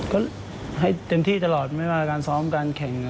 ก็ให้เต็มที่ตลอดไม่ว่าการซ้อมการแข่ง